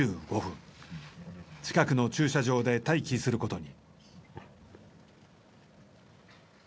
近くの駐車場で待機することに。